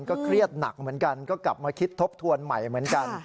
ก็เครียดหนักเหมือนกันก็กลับมาคิดทบทวนใหม่เหมือนกัน